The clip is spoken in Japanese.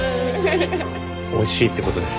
おいしいってことです。